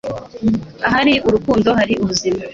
Ahari urukundo hari ubuzima.”